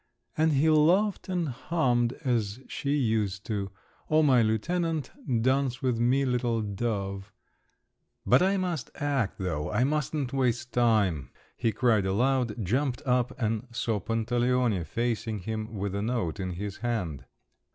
And he laughed and hummed as she used to: "O my lieutenant! Dance with me, little dove!" "But I must act, though, I mustn't waste time," he cried aloud—jumped up and saw Pantaleone facing him with a note in his hand.